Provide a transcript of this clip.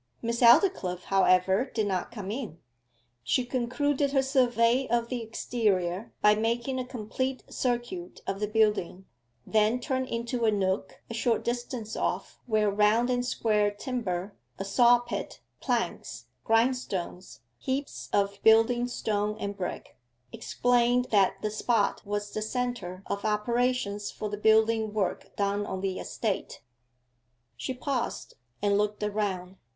Miss Aldclyffe, however, did not come in. She concluded her survey of the exterior by making a complete circuit of the building; then turned into a nook a short distance off where round and square timber, a saw pit, planks, grindstones, heaps of building stone and brick, explained that the spot was the centre of operations for the building work done on the estate. She paused, and looked around.